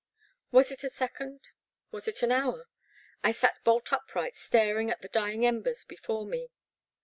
Was it a second — ^was it an hour ? I sat bolt upright staring at the dying embers before me.